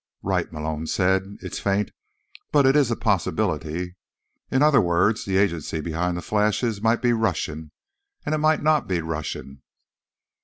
"Right," Malone said. "It's faint, but it is a possibility. In other words, the agency behind the flashes might be Russian, and it might not be Russian."